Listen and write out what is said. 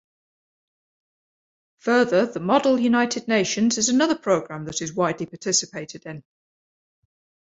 Further, the Model United Nations is another program that is widely participated in.